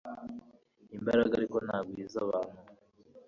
imbaraga ariko ntagwiza abantu